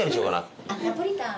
俺ナポリタン。